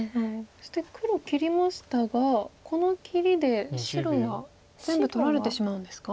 そして黒切りましたがこの切りで白は全部取られてしまうんですか？